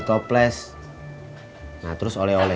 isso itu wijove aku express masalah